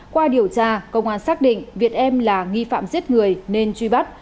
qua điều tra công an xác định việt em là nghi phạm giết người nên truy bắt